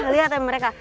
lihat ya mereka